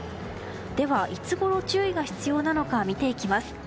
では、いつごろ注意が必要なのか見ていきます。